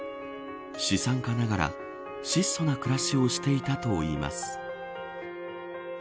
資産家ながら質素な暮らしをしていたといいます。